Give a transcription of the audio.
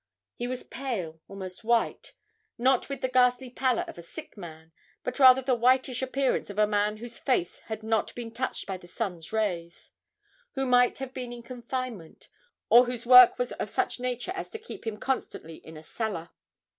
He was pale, almost white; not with the ghastly pallor of a sick man, but rather the whitish appearance of a man whose face had not been touched by the sun's rays; who might have been in confinement, or whose work was of such a nature as to keep him constantly in a cellar.